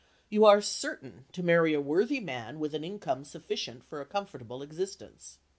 You are certain to marry a worthy man with an income sufficient for a comfortable existence.